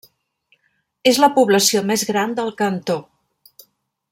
És la població més gran del cantó.